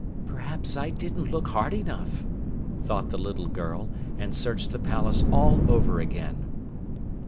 "Perhaps I didn't look hard enough," thought the little girl, and searched the palace all over again.